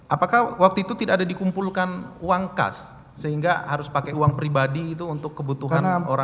apakah waktu itu tidak ada dikumpulkan uang kas sehingga harus pakai uang pribadi itu untuk kebutuhan orang